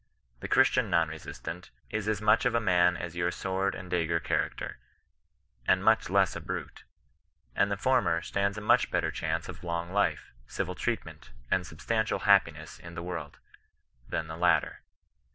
The Christian non resistant is as much of a man as your sword and dagger character, and much less a hriUe; and the former stands a much better chance of long life, civil treatment, and substantial 170 CH&ISTIAH KON BESISTAKCE. happiness in the world, than the latter.